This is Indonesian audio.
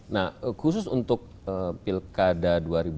nah khusus untuk pilkada dua ribu delapan belas